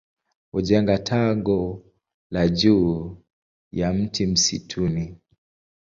Hujenga tago lao juu ya mti msituni.